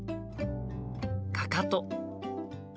かかと。